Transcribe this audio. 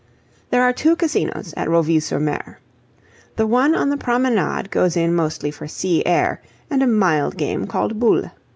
There are two Casinos at Roville sur Mer. The one on the Promenade goes in mostly for sea air and a mild game called boule.